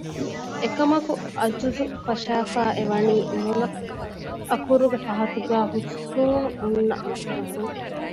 އެކަމަކު ޢަޖުޒު ފަށައިފައި އެ ވަނީ މުލައަކުރުގެ ފަހަތުގައި ހުސްނޫނު އޮންނަ ލަފުޒަކުން